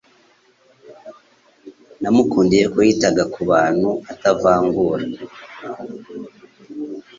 Namukundiye ko yitaga ku bantu atavangura.